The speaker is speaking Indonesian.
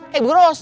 kayak bu rosa